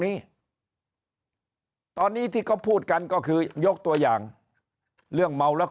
นี้ตอนนี้ที่เขาพูดกันก็คือยกตัวอย่างเรื่องเมาแล้ว